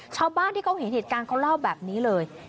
ชาวบ้านที่เขาเห็นเหตุการณ์เขาเล่าแบบนี้เลย